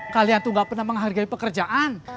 kalian tuh gak pernah menghargai pekerjaan